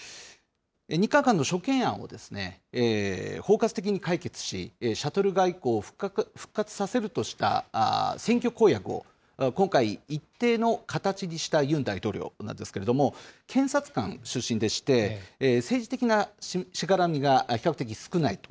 日韓間の諸懸案を包括的に解決し、シャトル外交を復活させるとした選挙公約を今回、一定の形にしたユン大統領なんですけれども、検察官出身でして、政治的なしがらみが比較的少ないと。